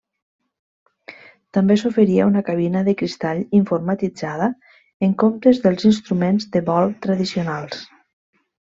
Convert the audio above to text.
També s'oferia una cabina de cristall informatitzada en comptes dels instruments de vol tradicionals.